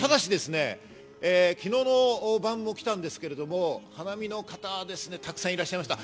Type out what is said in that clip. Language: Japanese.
ただし、昨日の晩も来たんですけれども、花見の方は沢山いらっしゃいました。